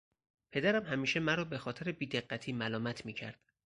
پدرم همیشه مرا بخاطر بیدقتی ملامت میکرد.